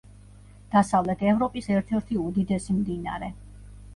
დასავლეთ ევროპის ერთ-ერთი უდიდესი მდინარე.